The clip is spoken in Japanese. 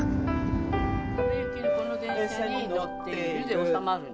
「この電車に乗っている」で収まるの。